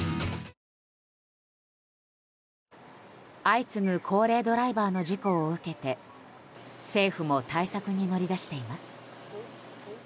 相次ぐ高齢ドライバーの事故を受けて政府も対策に乗り出しています。